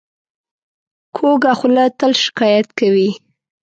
کوږه خوله تل شکایت کوي